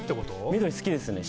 緑好きですね。